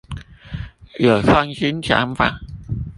有創新想法